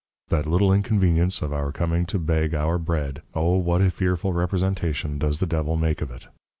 That little inconvenience, of our coming to beg our Bread, O what a fearful Representation does the Devil make of it!